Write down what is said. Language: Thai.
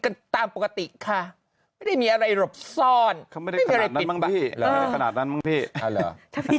กันตามปกติค่ะไม่ได้มีอะไรหลบซ่อนขนาดนั้นมั้งพี่ถ้าพี่